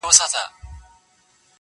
لكه د مور چي د دعا خبر په لپه كــي وي.